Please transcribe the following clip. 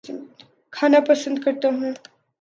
کھانا پسند کرتا ہوں